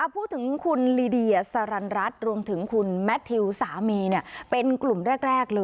พูดถึงคุณลีเดียสรรรัฐรวมถึงคุณแมททิวสามีเป็นกลุ่มแรกเลย